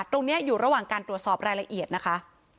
อยู่ระหว่างการตรวจสอบรายละเอียดนะคะ